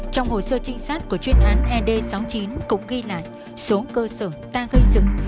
trong hồ sơ trinh sát của chuyên án ed sáu mươi chín cục ghi lại số cơ sở ta gây dựng